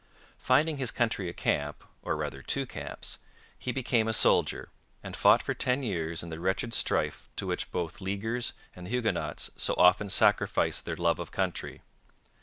Finding his country a camp, or rather two camps, he became a soldier, and fought for ten years in the wretched strife to which both Leaguers and Huguenots so often sacrificed their love of country.